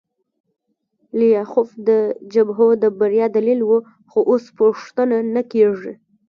لیاخوف د جبهو د بریا دلیل و خو اوس پوښتنه نه کیږي